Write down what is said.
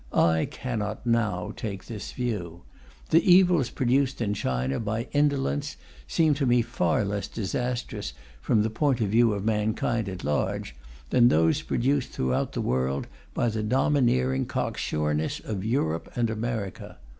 I cannot now take this view. The evils produced in China by indolence seem to me far less disastrous, from the point of view of mankind at large, than those produced throughout the world by the domineering cocksureness of Europe and America.